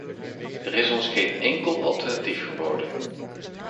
Er is ons geen enkel alternatief geboden.